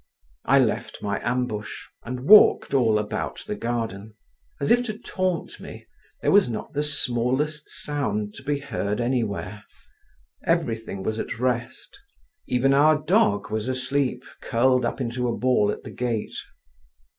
I left my ambush, and walked all about the garden. As if to taunt me, there was not the smallest sound to be heard anywhere; everything was at rest. Even our dog was asleep, curled up into a ball at the gate.